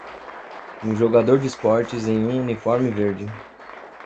Um jogador de esportes em um uniforme verde.